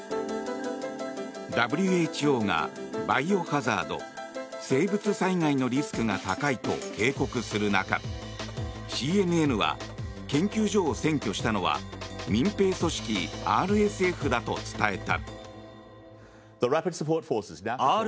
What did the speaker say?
ＷＨＯがバイオハザード生物災害のリスクが高いと警告する中ＣＮＮは研究所を占拠したのは民兵組織ＲＳＦだと伝えた。